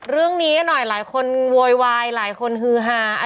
เรื่องนี้กันหน่อยหลายคนโวยวายหลายคนฮือฮา